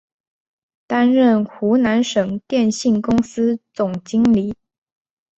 担任湖南省电信公司总经理。